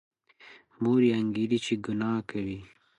مور یې انګېري چې ګناه کوي.